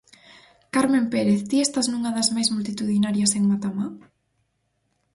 Carmen Pérez, ti estás nunha das máis multitudinarias en Matamá?